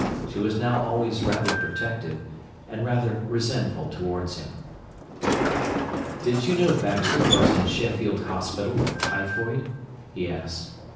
She was now always rather protective, and rather resentful towards him. "Did you know Baxter was in Sheffield Hospital with typhoid?" he asked.